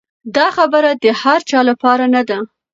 دا خبره د هر چا لپاره نه ده.